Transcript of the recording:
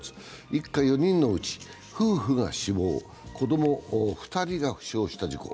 一家４人のうち夫婦が死亡、子供２人が負傷した事故。